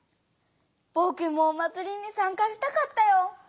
ぼくもお祭りにさんかしたかったよ！